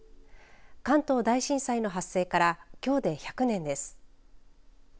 関東大震災の発生からきょうで１００年です。